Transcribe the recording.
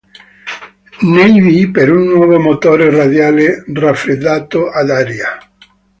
Navy per un nuovo motore radiale raffreddato ad aria.